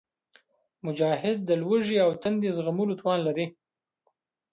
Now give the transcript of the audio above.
مجاهد د لوږې او تندې زغملو توان لري.